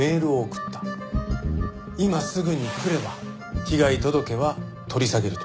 今すぐに来れば被害届は取り下げると。